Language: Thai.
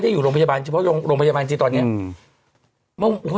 หนูต้องไปอยู่แล้ว